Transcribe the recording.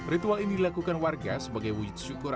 ritual ini dilakukan warga sebagai wujud syukur